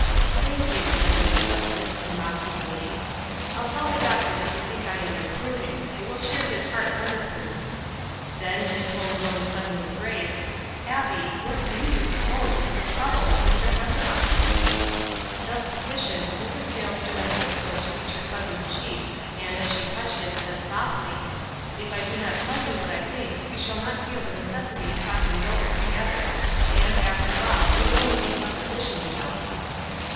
"Thank you," said Mrs. Douglass, in mock humility. " I'll tell the doctor that you think I am improving ; it will cheer his heart wonder fully." Then, in a tone grown suddenly grave, " Abbie, what do you suppose is the trouble with Mr. Tresevant?" Thus petitioned, Mrs. Sayles stood on tip toe to reach her cousin's cheek, and, as she touched it, said softly, —" If I do not tell you what I think we shall not feel the necessity of talking it over to gether ; and, after all, it would only be suppo sition, you know."